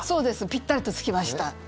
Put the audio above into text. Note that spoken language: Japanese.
ぴったりと着きました。